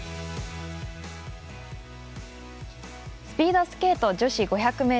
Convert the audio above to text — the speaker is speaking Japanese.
スピードスケート女子５００ｍ。